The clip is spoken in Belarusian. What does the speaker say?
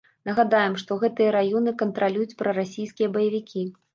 Нагадаем, што гэтыя раёны кантралююць прарасійскія баевікі.